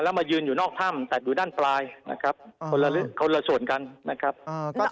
แล้วมายืนอยู่นอกถ้ำตัดอยู่ด้านปลายนะครับคนละคนละส่วนกันนะครับ